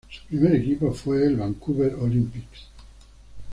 Su primer equipo fue el Vancouver Olympics.